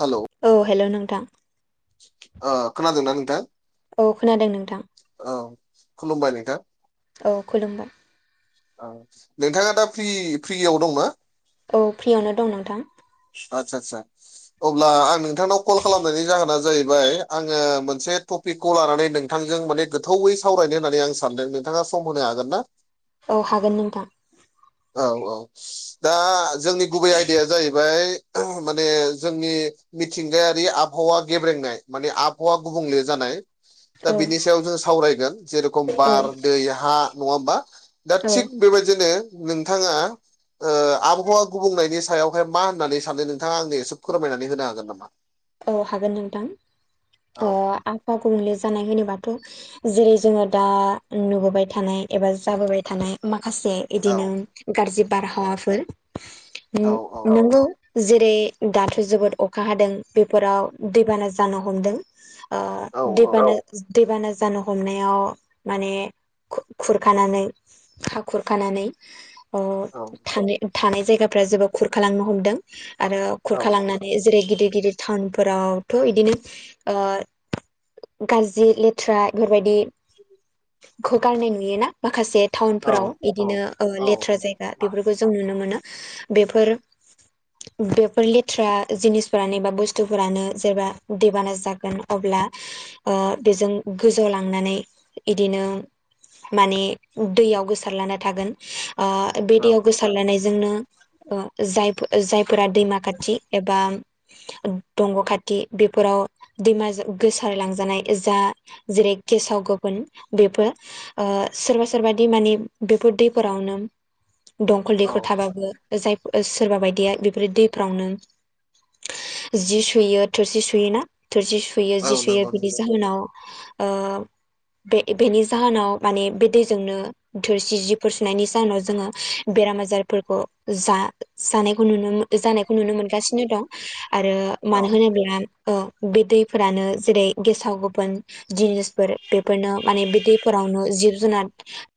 हेल'। औ हेल' नोंथां। आ खोनादोंना नोंथां? औ खोनादों नोंथां। औ खुलुमबाय नोंथां। औ खुलुमबाय। नोंथाङा दा फ्रि फ्रियाव दंना? औ फ्रियावनो दं नोंथां। आतसा आतसा। अब्ला आं नोंथांनाव कल खालामनायनि जाहोना जाहैबाय आङो मोनसे टप पिकखौ लानानै नोंथांजों माने गोथौयै सावरायनो होननानै आं सानदों नोंथाङा सम होनो हागोन ना? औ हागोन नोंथां। औ औ दा जोंनि गुबै आयदाया जाहैबाय माने जोंनि मिथिंगायारि आबहावा गेब्रेंनाय माने आबहावा गुबुंले जानाय। दा औ बिनि सायाव जों सावरायगोन। जेरेखम औ बार दै हा नङा होमबा दा औ थिग बेबायदिनो नोंथाङा ओ आबहावा गुबुंनायनि सायावहाय मा होननानै सानदों नोंथाङा आंनो एसे फोरमायनानै होनो हागोन नामा? [inaudible] औ हागोन नोंथां औ ओ आबहावा गुबुंले जानाय होनोबाथ' जेरै जोङो दा नुबोबाय थानाय एबा जाबोबाय थानाय माखासे औ इदिनो गाज्रि बारहावाफोर औ नो नोंगौ जेरै दाथ' जोबोद अखा हादों बेफोराव दैबाना जानो हमदों। औ ओ दै बाना दैबाना जानो हमनायाव माने खु खुरखानानै हा खुरखानानै अ औ थानाय थानाय जायगाफोरा जोबोद खुरखालांनो हमदों आरो औ खुरखालांनानै जेरै गिदिर गिदिर टाउनफोरावथ' इदिनो ओ गाज्रि लेथ्रा बेफोरबायदि खौ गारनाय नुयोना माखासे औ टाउनफोराव इदिनो ओ औ लेथ्रा जायगा बेफोरखौ जों नुनो मोनो बेफोर बेफोर लेथ्रा जिनिसफोरानो एबा बुस बुस्थुफोरानो जेब्ला दैबाना जागोन अब्ला बेजों गोजौ लांनानै इदिनो माने दैयाव गोसारलाना थागोन ओ बे दैयाव गोसारलानायजोंनो जायफो जायफोरा दैमा खाथि एबा दंग' खाथि बेफोराव दैमा गोसारलांजानाय जा जेरै गेसाव गोफोन बेफो ओ सोरबा सोरबा दैमानि बेफोर दैफोरावनो दंखल औ दैखर थाबाबो जाय सोरबा बायदिया बेफोर दैफ्रावनो जि सुयो थोरसि सुयोना थोरसि सुयो औ जि सुयो नंगौ बिदि जाहोनाव ओ बे-बेनि जाहोनाव माने बे दैजोंनो थोरसि जिफोर सुनायनि जाहोनाव जोङो बेराम आजारफोरखौ जा जानायखौ नुनो जानायखौ नुनो मोनगासिनो दं आरो औ मानो औ होनोब्ला बे दैफोरानो जेरै गेसाव गोफोन जिनिसफोर बेफोरनो माने बे दैफोरावनो जिब जुनार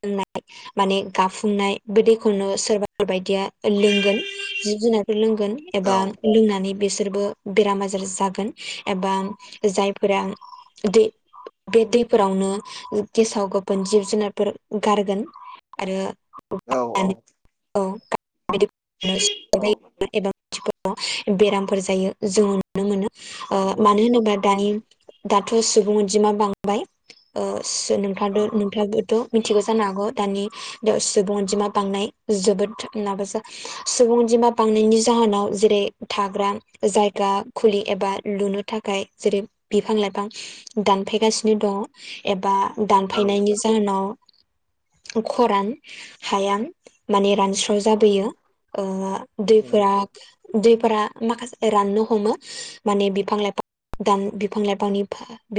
लोंनाय माने गाफुंनाय बि दैखौनो सोरबाफोरबायदिया लोंगोन जिब जुनाराथ' लोंगोन एबा लोंनानै बिसोरबो बेराम आजार जागोन एबा जायफोरा दै बे दैफोरावनो गेसाव गोफोन जिब जुनारफोर गारगोन आरो औ [unintelligible] नंगौ औ औ बेरामफोर जायो जोङो नुनो मोनो ओ मानो होनोब्ला दानि दाथ' सुबुं अनजिमा बांबाय ओ औ नोंथाङाथ'-नोंथाङाबोथ' मिथिगौ जानो हागौ दानि सुबुं अनजिमा बांनाय जोबोद माबा जा सुबुं अनजिमा बांनायनि जाहोनाव जेरै थाग्रा जायगा खुलि एबा लुनो थाखाय जेरै बिफां लाइफां दानफायगासिनो दं एबा दानफायनायनि जाहोनाव खरान हाया माने रान स्र' जाबोयो ओ दैफोरा दैफोरा माखासे राननो हमो माने बिफां लाइफां बिफां लाइफांनि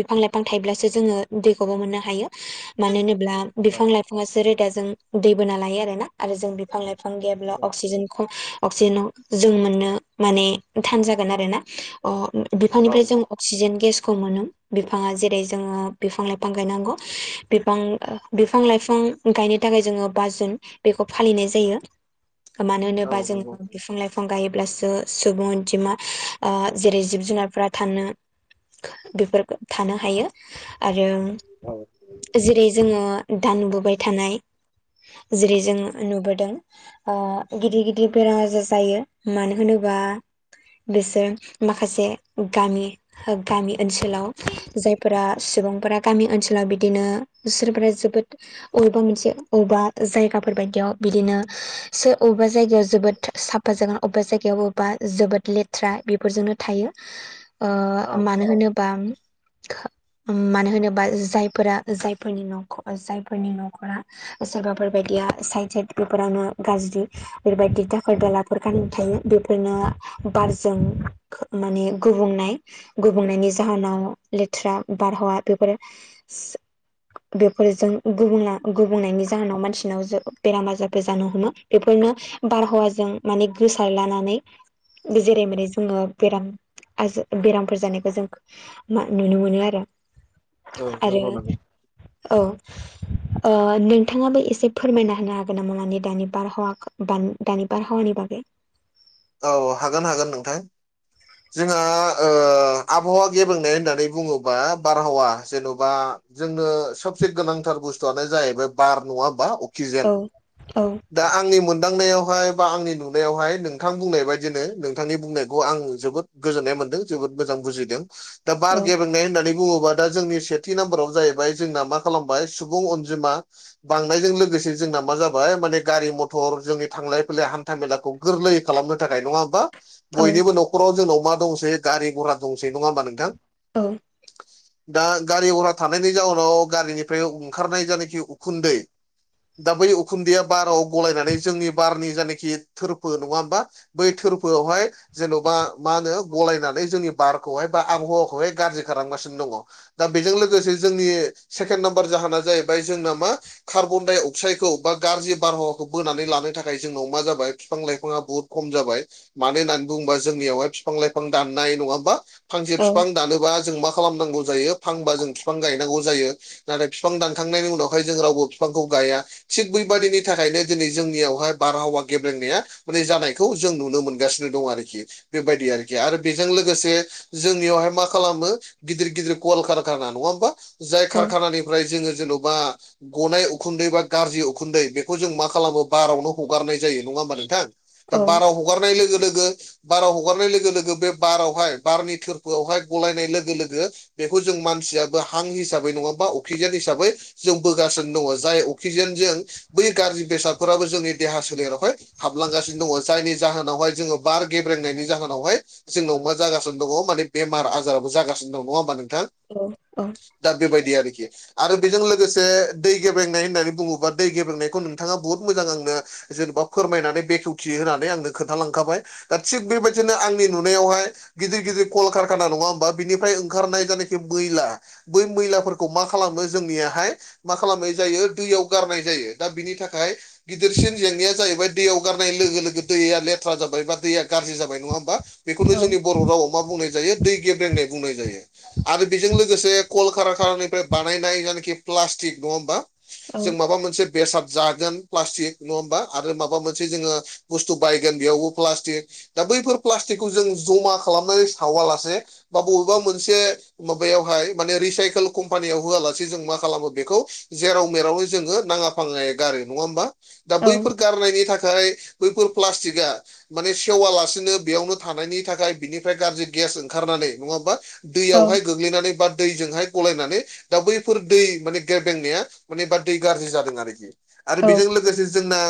बिफां लाइफां थायोब्लासो जोङो दैखौबो मोननो हायो। मानो होनोब्ला बिफां लाइफाङासो रोदाजों दै बोना लायो आरोना आरो जों बिफां लाइफां बिफां गैयाब्ला अक्सिजेनखौ अक्सिजेनाव जों मोननो माने थान जागोन आरो ना अ बिफांनिफ्राय जों अक्सिजेन गेसखौ मोनो। बिफाङा जेरै जोङो बिफां लाइफां गायनांगौ बिफां बिफां लाइफां गायनो थाखाय जोङो बा जुन बेखौ फालिनाय जायो। मानो औ होनोबा नंगौ जोङो बिफां लाइफां गायोब्लासो सुबुं अनजिमा जेरै जिब जुनारफोरा थानो बेफोर थानो हायो। आरो औ जेरै जोङो दानबोबाय थानाय जेरै जोङो नुबोदों ओ गिदिर गिदिर बेराम आजार जायो मानो होनोबा बिसोर माखासे गामि गामि ओनसोलाव जायफोरा सुबुंफोरा गामि ओनसोलाव बिदिनो [unintelligible] जोबोद अबेबा मोनसे अबेबा जायगाफोर बायदियाव बिदिनो सोर ब अबेबा जायगायाव जोबोद साफा जागोन अबेबा जायगायाव अबेबा जोबोद लेथ्रा बेफोरजोंनो थायो औ ओ मानो होनोबा मानो होनोबा जायफोरा जायफोरनि नख' जायफोरनि न'खरा सोरबाफोरबायदिया साइड साइद बेफोरावनो गाज्रि बेबायदि दाखोर दालाफोर गारनानै थायो बेफोरनो बारजों माने गुबुंनाय गुबुंनायनि जाहोनाव लेथ्रा बारहावा बेफोरोसो बेफोरजों गुबना गुबुंनायनि जाहोनाव मानसिनाव जो बेराम आजारबो जानो हमो बेफोरनो बारहावाजों माने गोसार लानानै जेरै माने जोङो बेराम आज बेरामफोर जानायखौ जों मा नुनो मोनो आरो आरो नंगौ नंगौ। औ। ओ नोंथाङाबो एसे फोरमायना होनो हागोन नामा माने दानि बारहावाखौ? बानि दानि बारहावानि बागै। औ हागोन हागोन नोंथां। जोंहा ओ आबहावा गेबेंनाय होननानै बुङोबा बारहावा जेन'बा जोंनो सबसे गोनांथार बुस्थुआनो जाहैबाय बार नङा होमबा केजेन औ औ दा आंनि मोनदांनायावहाय बा आंनि नुनायावहाय नों थां बुंनाय बायदिनो नोंथांनि बुंनायखौ आं जोबोद गोजोननाय मोनदों जोबोद मोजां बुजिदों दा औ बार गेब्रेंनाय होननानै बुङोबा दा जोंनि सेथि नाम्बाराव जाहैबाय जोंना मा खालामबाय सुबुं अनजिमा बांनायजों लोगोसे जोंना मा जाबाय माने गारि मथ'र जोंनि थांलाय फैलाय हान्था मेलाखौ गोरलै खालामनो थाखाय नङा होमबा औ बयनिबो न'खराव जोंनाव मा दंसै गारि घरा दंसै नङा होमबा नोंथां? औ [unintelligible] दा गारि घरा थानायनि जाउनाव गारिनिफ्राय ओंखारनाय जायनाखि उखुन्दै दा बै उखुन्दैया बाराव गलायनानै जोंनि बारनि जायनाखि थोरफबो नङा बा बै थोरफोआवहाय जेन'बा मा होनो गलायनानै जोंनि बारखौहाय बा आबहावाखौहाय गाज्रि खालामगासिनो दङ । दा बेजों लोगोसे जोंनि सेकेण्ड नाम्बार जाहोना जाहैबाय जोंना मा कार्बन डाइ अक्साइडखौ बा गाज्रि बारहावाखौ बोनानै लानो थाखाय जोंनाव मा जाबाय फिफां लाइफाङा बहुद खम जाबाय मानो होननानै बुङोबा जोंनियावहाय बिफां लाइफां दाननाय नङा होमबा फांसेे औ फिफां दानोबा जों मा खालामनांगौ जायो फांबा जों बिफां गायनांगौ जायो । नाथाय फिफां दानखांनायनि उनावखाय जों रावबो बिफांखौ गाया । थिग बेैबादिनो थाखायनो दिनै जोंनियावहाय बारहावा गेब्रेंनाया माने जानाय खौ जों नुनो मोनगासिनो दं आरोखि बेबायदि आरोखि आरो बेजों लोगोसे जोंनियावहाय मा खालामो गिदिर गिदिर कल कारखाना नङा होमबा जाय औ खारखानानि फ्राय जोङो जेन'बा गनाय उखुन्दै बा गाज्रि उखुन्दै बेखौ जों मा खालामो बारावनो हगारनाय जायो नङा होमबा नोंथां । औ दा बारा हगारनाय लोगो लोगो बाराव हगारनाय लोगो लोगो बे बारावहाय बारनि थोरफोआवहाय गलायनाय लोगो लोगो बेखौ जों मानसियाबो हां हिसाबै नङाबाबा अक्सिजेन हिसाबै जों बोगासिनो दङ जाय अक्सिजेनजों बै गाज्रि बेसादफोराबो जोंनि देहा सोलेरावहाय हाबलांगासिनो दङ । जायनि जाहोनावहाय जोङो बार गेब्रेंनायनि जाहोनावहाय जोंनाव मा जागासिनो दङ माने बेमार आजाराबो जागासिनो दङा नङा होमबा नोंथां? औ औ दा बिबायदि आरोखि । आरो बेजों लोगोसे दै गेब्रेंनाय होननानै बुङोबा दै गेबेेंनायखौ नोंथाङा बुहुत मोजां आंनो जेनेबा फोरमायनानै बेखेवथि होननानै आंनो खोन्थालांखाबाय थिग बेबायदिनो आंनि नुनायावहाय गिदिर गिदिर कलकारखाना नङा होमबा बिनिफ्राय ओंखारनाय जायनाखि मैला बै मैलाफोरखौ मा खालामनो जोंनियाहाय मा खालामनाय जायो दैयाव गारनाय जायो दा बिनि थाखाय गिदिरसिन जेंनाया जाहैबाय दैयाव गार नाय लोगो लोगो दैया लेथ्रा जाबाय बा दैया गाज्रि जाबाय नङा होमबा? बेखौनो औ जोंनि बर' रावाव मा बुंनाय जायो दै गेब्रेंनाय बुंनाय जायो । आरो बेजों लोगोसे कल कारा कारनिफ्राय बानायनाय जायनाखि प्लास्टिक नङा होमबा औ जों माबा मोनसे बेसाद जागोन प्लास्टिक नङा हबा आरो माबा मोनसे मोनसे जोङो बुस्थु बायगोन बेयावबो प्लास्टिक, दा बैफोर प्लास्टिकखौ जों जमा खालामनानै सावालासे बा बबेबा मोनसे माबायावहाय माने रिसाइकेल कम्पानियाव होआलासे जों मा खालामो बेखौ जेराव मेरावनो जोङो नाङा फाङायै गारो नङा होमबा दा औ बैफोर गारनायनि थाखाय थाय बैफोर प्लास्टिकआ माने सेवालासिनो बेयावनो थानायनि थाखाय बिनिफ्राय गाज्रि गेस ओंखारनानै नङा होमबा। दैयावहाय औ गोग्लैनानै बा दैजोंहाय गलायनानै दा बैफोर दै माने गेबेंनाया माने बा दै गाज्रि जादों आरोखि आरो बेजों लोगोसे जोंना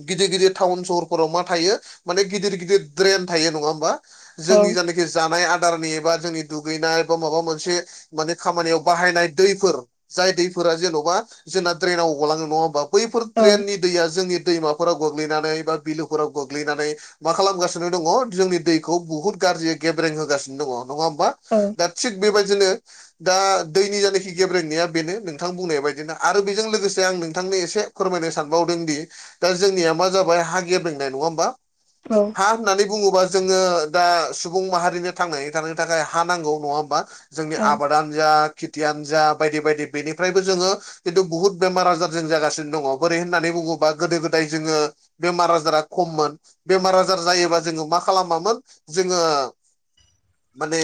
गिदिर गिदिर टाउन सहरफोराव मा थायो माने गिदिर गिदिर ड्रेन थायो नङा होमबा जोंनि औ जानाखि जानाय आदारनि एबा जोंनि दुगैनाय बा माबा मोनसे माने खामानियाव बाहायनाय दैफोर जाय दैफोरा जेन'बा जोंना ड्रेनाव अग'लङो नङा होमबा। बैफोर ट्रेननि दैया जोंनि दैमाफोराव गोग्लैनानै बा बिलुफोराव गोग्लैनानै मा खालामगासिनो दङ जोंनि दैखौ बुहुत गाज्रि गेब्रें होगासिनो दङ नङा होमबा। दा थिग बे बायदिनो दा दैनि जनाखि गेब्रेंनाया बेनो नोंथां बुंनाय बायदिनो आरो बेजों लोगोसे आं नोंथांनो एसे फोरमायनो सानबावदों दि दा जोंनिया मा जाबाय हा गेब्रेंनाय नङा होमबा। औ। हा होननानै बुङोबा जोङो दा सुबुं माहारिनो थांनानै थानायनि थाखाय हा नांगौ नङा होमबा। जोंनि आबादानो जा खेथियानो जा बायदि बायदि बेनिफ्रायबो जोङो खिन्थु बुहुत बेमार आज जागासिनो दङ। बोरै होननानै बुङोबा गोदो गोदाय दाय जोङो बेमार आजारा खममोन। बेमार आजार जायोबा जोङो मा खालामामोन जोङो माने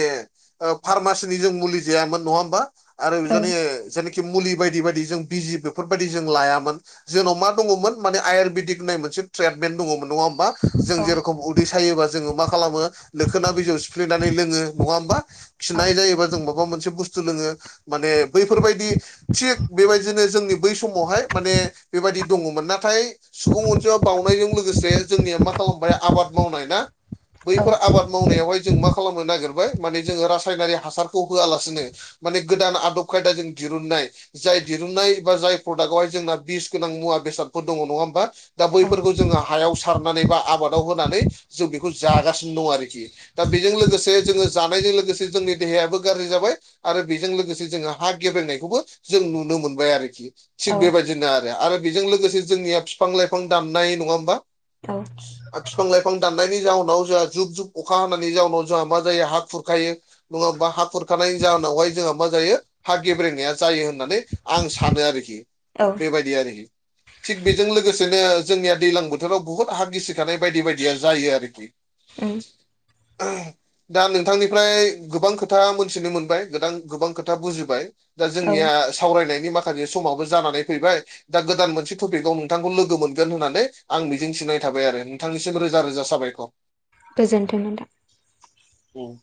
फार्मासिनि जों मुलि जायामोन नङा होमबा आरो जोंनि जेनाखि मुलि बायदि बायदि जों बिजि बेफोरबायदि जों लायामोन जोंनाव मा दङमोन माने। आयुरवेदिक होननाय मोनसे ट्रिटमेन्ट दङमोन नङा होमबा जों जेरेखम दै सायोबा जोङो मा खालामो लोखोना बिजौआव सिफ्लेनानै लोङो नङा होमबा। खिनाय जायोबा जों माबा मोनसे बुस्थु लोङो माने बैफोरबायदि थिग बे बायदिनो जोंनि बै समावहाय माने बे बायदि दङमोन। नाथाय सुबुं अनजिमा बावनायजों लोगोसे जोंनिया मा खालामबाय आबाद मावनाय ना। बैफोर आबाद मावनायावहाय जों मा खालामनो नागिरबाय माने जोङो रासायनारि हासारखौ होआलासिनो माने गोदान आदब खायदाजों दिरुननाय जाय दिरुननाय एबा जाय प्रडाक्टआवहाय जोंना बिस गोनां मुवा बेसादफोर दङ नङा होमबा। दा बैफोरखौ जोङो हायाव सारनानै बा आबादाव होनानै जों बेखौ जागासिनो दं आरोखि। दा बेजों लोगोसे जोङो जानायजों लोगोसे जोंनि देहायाबो गाज्रि जाबाय। आरो बेजों लोगोसे जोङो हा गेब्रेंनायखौबो जों नुनो मोनबाय आरोखि। थिग बेबायदिनो आरो आरो बेजों लोगोसे जोंनिया फिफां लाइफां दाननाय नङा होमबा। औ। बिफां लाइफां दाननायनि जाउनाव जोंहा जुब जुब अखा हानायनि जााहनाव जोंहा मा जायो हा खुरखायो। नङा होनबा हा खुरखानाय जाहोनावहाय जोंहा मा जायो हा गेब्रेंनाया जायो होननानै आं सानो आरोखि। बे बादि आरोखि थिग बे जों लोगोसेनो जोंनिया दैज्लां बोथोराव बुहुत हा गिसिखानाय बायदि बायदिया जायो आरोखि। [unintelligible] दा नोंथांनिफ्राय गोबां खोथा मोनथिनो मोनबाय गोदान गोबां खोथा बुजिबाय। दा औ जोंनिया सावरायनायनि माखासे समावबो जानानै फैबाय दा गोदान मोनसे टपिकआव नोंथांखौ लोगो मोनगोन होननानै आं मिजिंथिनाय थाबाय आरो नोंथांनिसिम रोजा रोजा साबायखर। गोजोन्थों नोंथां। ओम।